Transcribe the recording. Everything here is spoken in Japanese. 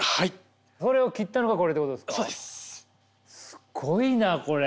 すごいなこれ。